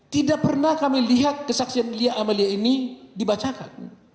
tidak pernah kami lihat kesaksian lia amelia ini dibacakan